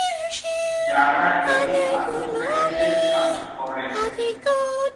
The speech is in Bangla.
যারা এটির আধুনিকায়নের কাজ করে।